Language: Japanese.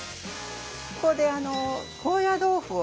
ここで高野豆腐を。